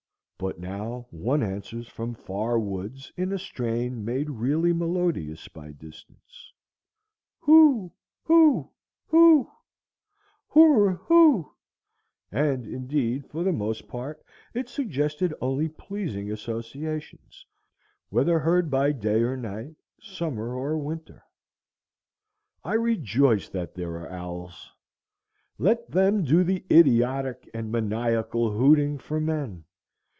But now one answers from far woods in a strain made really melodious by distance,—Hoo hoo hoo, hoorer hoo; and indeed for the most part it suggested only pleasing associations, whether heard by day or night, summer or winter. I rejoice that there are owls. Let them do the idiotic and maniacal hooting for men.